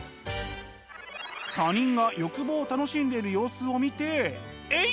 他人が欲望を楽しんでいる様子を見てえい！